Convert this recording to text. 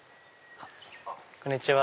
こんにちは。